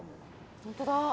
本当だ！